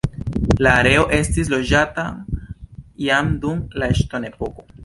La areo estis loĝata jam dum la ŝtonepoko.